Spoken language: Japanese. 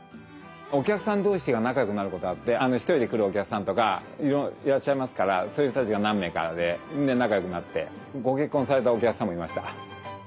お客さん同士が仲良くなることあって１人で来るお客さんとかいらっしゃいますからそういう人たちが何名かで仲良くなってご結婚されたお客さんもいました。